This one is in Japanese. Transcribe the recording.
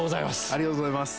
ありがとうございます。